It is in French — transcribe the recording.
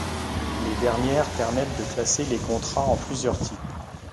Les dernières permettent de classer les contrats en plusieurs types.